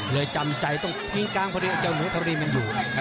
เลยจำใจต้องกินกลางเพราะเดี๋ยวไอ้เจ้าเหนือธรรมดีมันอยู่